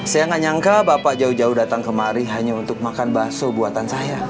saya nggak nyangka bapak jauh jauh datang kemari hanya untuk makan bakso buatan saya